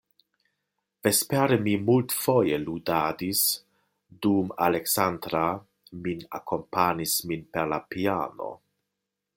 Vespere mi multfoje ludadis, dum Aleksandra min akompanis min per la piano.